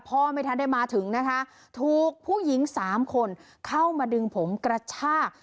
ไม่ทันได้มาถึงนะคะถูกผู้หญิงสามคนเข้ามาดึงผมกระชาก